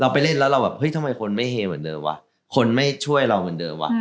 ไปเล่นแล้วเราแบบเฮ้ยทำไมคนไม่เฮเหมือนเดิมว่ะคนไม่ช่วยเราเหมือนเดิมว่ะ